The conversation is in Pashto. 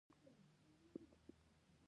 هندوکش د ځوانانو د هیلو استازیتوب کوي.